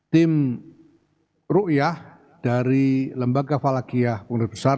tim ru yah dari lembaga falahkiyah punggung rizk besar